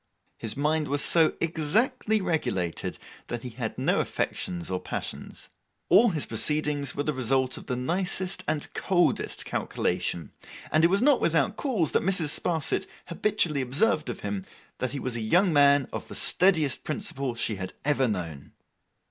His mind was so exactly regulated, that he had no affections or passions. All his proceedings were the result of the nicest and coldest calculation; and it was not without cause that Mrs. Sparsit habitually observed of him, that he was a young man of the steadiest principle she had ever known.